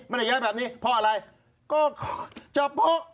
เพราะอะไรก็เฉพาะ